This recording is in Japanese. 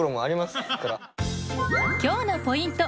今日のポイント